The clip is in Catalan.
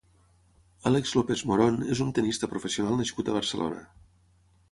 Álex López Morón és un tennista professional nascut a Barcelona.